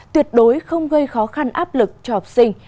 tuyệt đối không gây khó khăn áp lực cho học sinh